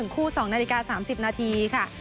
คู่๒นาฬิกา๓๐นาทีค่ะ